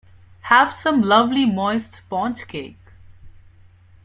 Have some lovely moist sponge cake.